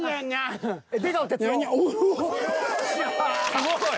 すごい。